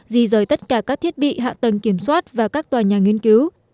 di rời tất cả các thiết bị hạ tầng kiểm soát và các tòa nhà nghiên cứu